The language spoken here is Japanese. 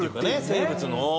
生物の。